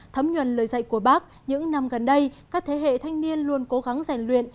thấm nhuần lời dạy của bác những năm gần đây các thế hệ thanh niên luôn cố gắng rèn luyện